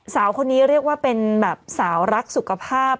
สาวคนนี้เรียกว่าเป็นแบบสาวรักสุขภาพ